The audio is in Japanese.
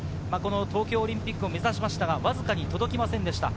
東京オリンピックを目指しましたが、わずかに届きませんでした。